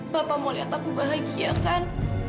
bapak mau lihat aku bahagia kan